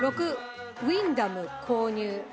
６、ウィンダム購入。